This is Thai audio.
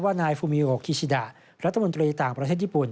นายฟูมิวโอคิชิดะรัฐมนตรีต่างประเทศญี่ปุ่น